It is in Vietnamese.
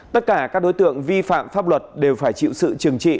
tất cả các đối tượng vi phạm pháp luật đều phải chịu sự trừng trị